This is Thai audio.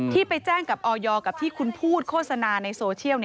ที่ไปแจ้งกับออยกับที่คุณพูดโฆษณาในโซเชียล